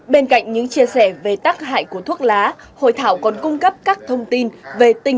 bên cạnh những chia sẻ về tắc hại của thuốc lá hội thảo còn cung cấp các thông tin